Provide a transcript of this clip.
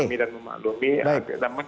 kita bisa memahami dan memaklumi